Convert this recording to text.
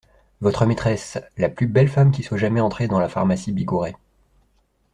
Votre maîtresse… la plus belle femme qui soit jamais entrée dans la pharmacie Bigouret.